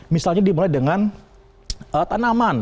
misalnya dimulai dengan tanaman